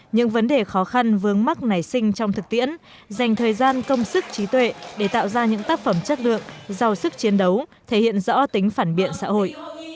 những vấn đề khó khăn vướng mắt nảy sinh trong thực tiễn dành thời gian công sức trí tuệ để tạo ra những tác phẩm chất lượng giàu sức chiến đấu thể hiện rõ tính phản biện xã hội